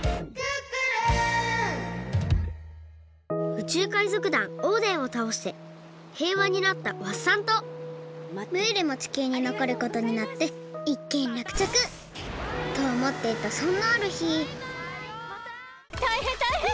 宇宙海賊団オーデンをたおしてへいわになったワッサン島ムールも地球にのこることになっていっけんらくちゃく！とおもっていたそんなあるひたいへんたいへん！